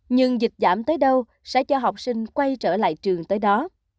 nhưng dịch giảm tới đâu sẽ cho học sinh quay trở lại trường tới đó